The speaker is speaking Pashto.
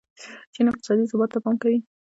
چین اقتصادي ثبات ته پام کوي.